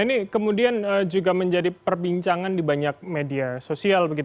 ini kemudian juga menjadi perbincangan di banyak media sosial